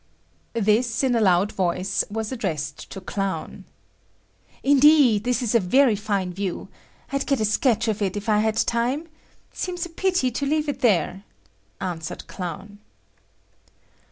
……" This in a loud voice was addressed to Clown. "Indeed, this is a fine view. I'd get a sketch of it if I had time. Seems a pity to leave it there," answered Clown.